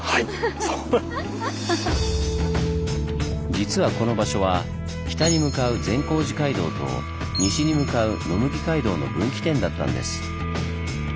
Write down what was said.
実はこの場所は北に向かう善光寺街道と西に向かう野麦街道の分岐点だったんです。